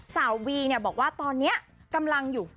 สาววีเนี่ยบอกว่าตอนนี้กำลังอยู่